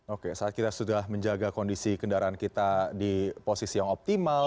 oke saat kita sudah menjaga kondisi kendaraan kita di posisi yang optimal